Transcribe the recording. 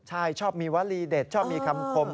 ใช่ชอบมีวลีเด็ดชอบมีคำคม